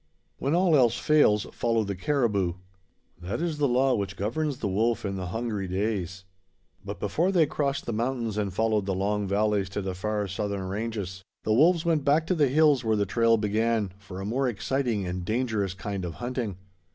When all else fails follow the caribou, that is the law which governs the wolf in the hungry days; but before they crossed the mountains and followed the long valleys to the far southern ranges the wolves went back to the hills, where the trail began, for a more exciting and dangerous kind of hunting.